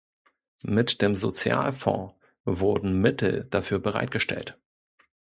Mit dem Sozialfonds wurden Mittel dafür bereitgestellt.